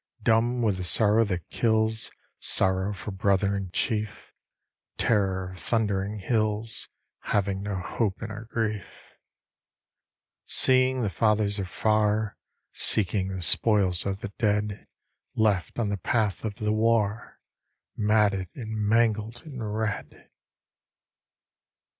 Dumb with the sorrow that kills, Sorrow for brother and chief, Terror of thundering hills, Having no hope in our grief, Seeing the fathers are far Seeking the spoils of the dead Left on the path of the war, Matted and mangled and red.